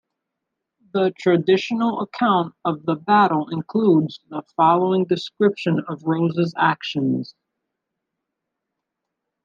The traditional account of the battle includes the following description of Rose's actions.